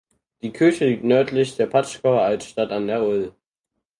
Die Kirche liegt nördlich der Patschkauer Altstadt an der ul.